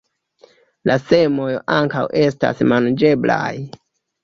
La semoj ankaŭ estas manĝeblaj.